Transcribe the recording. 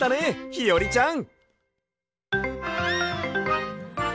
ひよりちゃん！